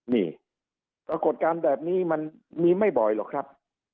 นี่ปรากฏการณ์แบบนี้มันมีไม่บ่อยหรอกครับ